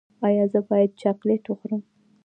ایا زه باید چاکلیټ وخورم؟